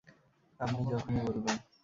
আপনি যখনই বলবেন।